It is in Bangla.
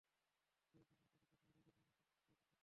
জীবনসঙ্গী শুধু রূপসী হলেই চলবে না, তাঁর মধ্যে গুণও থাকতে হবে।